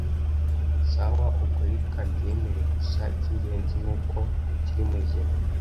sawa, ubwo reka mbyemere gusa icyingenzi nuko ukiri muzima